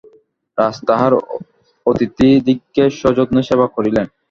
রাজা তাঁহার অতিথিদিগকে সযত্নে সেবা করিলেন।